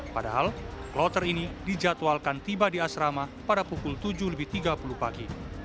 padahal kloter ini dijadwalkan tiba di asrama pada pukul tujuh lebih tiga puluh pagi